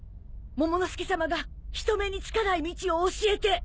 モモの助さまが人目につかない道を教えて。